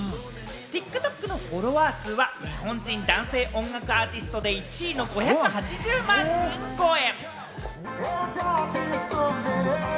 ＴｉｋＴｏｋのフォロワー数は日本人男性音楽アーティストで１位の５８０万人超え。